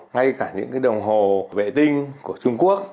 ngay cả những đồng hồ vệ tinh của trung quốc